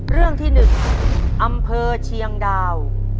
เรื่องที่๑อำเภอเชียงดาว